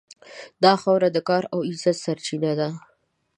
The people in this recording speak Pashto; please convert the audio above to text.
دا خاوره د کار او عزت سرچینه ده.